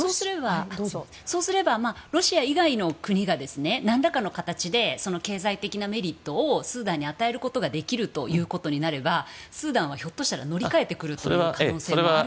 そうすればロシア以外の国が何らかの形で経済的なメリットをスーダンに与えることができればスーダンはひょっとしたら乗り換えてくる可能性はあるでしょうか。